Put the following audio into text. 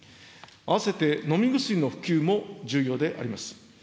併せて飲み薬の普及も重要であります。